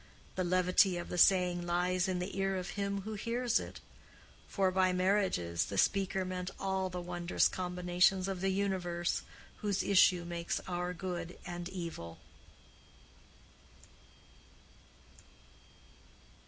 The levity of the saying lies in the ear of him who hears it; for by marriages the speaker meant all the wondrous combinations of the universe whose issue makes our good and evil.